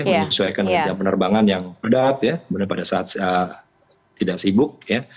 menyesuaikan dengan penerbangan yang padat ya pada saat tidak sibuk ya